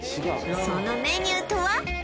そのメニューとは？